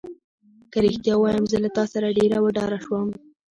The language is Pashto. که رښتیا ووایم زه له تا ډېره وډاره شوم.